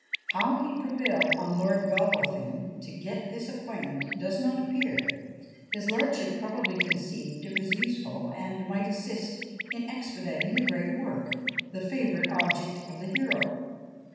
How he prevailed on Lord Godolphin to get this appointment does not appear his lordship probably conceived it was useful, and might assist in expediting the great work, the favourite object of the hero.